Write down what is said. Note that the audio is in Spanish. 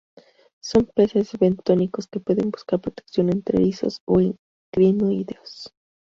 Son peces bentónicos que pueden buscar protección entre erizos o en crinoideos.